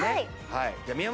はい。